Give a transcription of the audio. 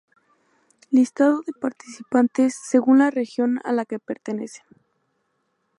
Listado de participantes según la región a la que pertenecen.